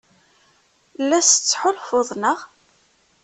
La as-tettḥulfuḍ, naɣ?